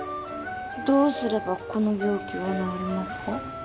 どうすればこの病気は治りますか？